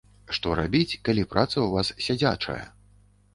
Што рабіць, калі праца ў вас сядзячая?